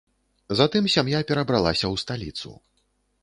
Затым сям'я перабралася ў сталіцу.